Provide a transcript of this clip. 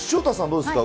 どうですか？